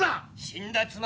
死んだ妻